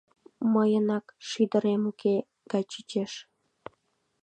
Мыйынак шӱдырем уке гай чучеш.